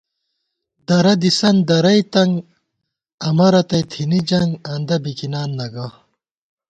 درہ دِسن درَئی تنگ ، امہ رتئی تھنی جنگ آندہ بِکِنان نہ گہ